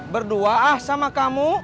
berdua ah sama kamu